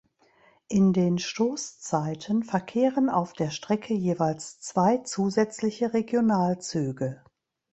In den Stoßzeiten verkehren auf der Strecke jeweils zwei zusätzliche Regionalzüge.